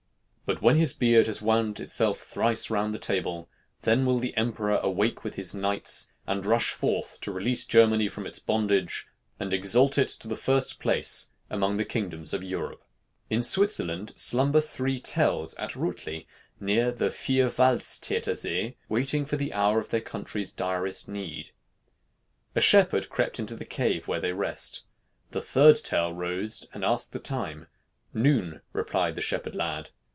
But when his beard has wound itself thrice round the table, then will the emperor awake with his knights, and rush forth to release Germany from its bondage, and exalt it to the first place among the kingdoms of Europe. In Switzerland slumber three Tells at Rutli, near the Vierwaldstätter see, waiting for the hour of their country's direst need. A shepherd crept into the cave where they rest. The third Tell rose and asked the time. "Noon," replied the shepherd lad.